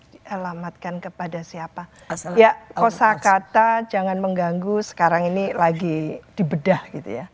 dialamatkan kepada siapa ya kosa kata jangan mengganggu sekarang ini lagi dibedah gitu ya